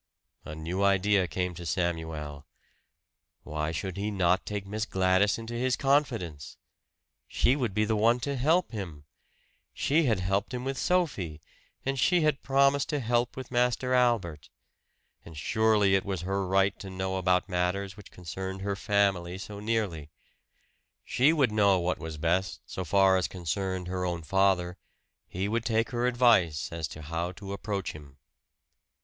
A new idea came to Samuel. Why should he not take Miss Gladys into his confidence? She would be the one to help him. She had helped him with Sophie; and she had promised to help with Master Albert. And surely it was her right to know about matters which concerned her family so nearly. She would know what was best, so far as concerned her own father; he would take her advice as to how to approach him.